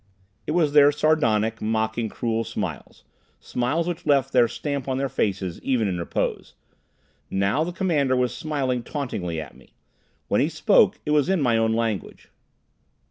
It was their sardonic, mocking, cruel smiles; smiles which left their stamp on their faces, even in repose. Now the commander was smiling tauntingly at me. When he spoke, it was in my own language.